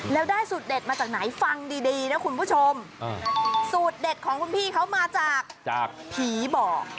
แล้วได้สูตรเด็ดมาจากไหนฟังดีดีนะคุณผู้ชมสูตรเด็ดของคุณพี่เขามาจากจากผีบ่อ